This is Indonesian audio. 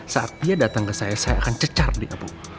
saat dia datang ke saya saya akan cecar dia bu